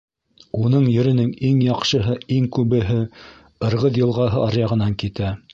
Уның еренең иң яҡшыһы, иң күбеһе Ырғыҙ йылғаһы аръяғынан китә.